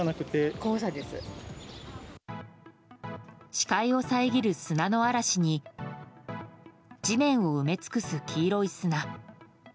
視界を遮る砂の嵐に地面を埋め尽くす黄色い砂。